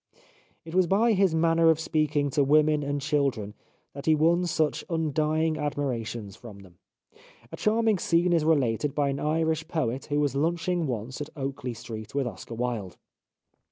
It was by his manner of speaking to women and children that he won such undying admirations from them. A charming scene is related by an Irish poet who was lunching once at Oakley Street \vith Oscar Wilde.